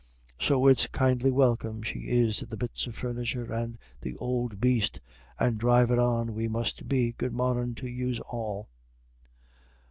So it's kindly welcome she is to the bits of furniture, and the ould baste. And dhrivin' on we must be. Good mornin' to yous all."